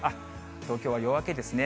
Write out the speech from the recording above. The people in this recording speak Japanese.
東京は夜明けですね。